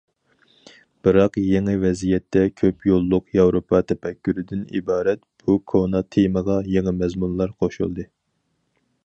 بىراق يېڭى ۋەزىيەتتە كۆپ يوللۇق ياۋروپا تەپەككۇرىدىن ئىبارەت بۇ كونا تېمىغا يېڭى مەزمۇنلار قوشۇلدى.